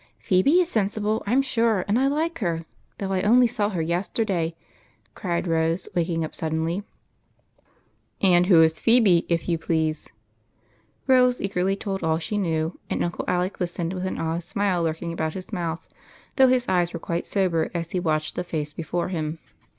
" Phebe is sensible, I 'm sure, and I like her, though I only saw her yesterday," cried Rose, waking up sud denly. 2 26 EIGHT COUSINS. " And who is Phebe, if you please ?" Rose eagerly told all she knew, and Uncle Alec lis tened, with an odd smile lurking about his mouth, though his eyes were quite sober as he watched the face before him.